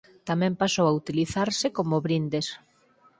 Tamén pasou a utilizarse como brindes.